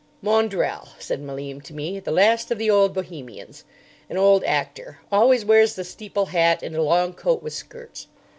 "Maundrell," said Malim to me. "The last of the old Bohemians. An old actor. Always wears the steeple hat and a long coat with skirts."